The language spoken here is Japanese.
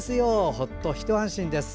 ほっと一安心です。